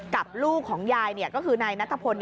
กับลูกของยายก็คือในนัตลผล